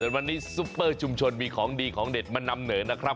วันนี้ซุปเปอร์ชุมชนมีของดีของเด็ดมานำเหนอนะครับ